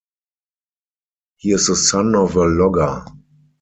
He is the son of a logger.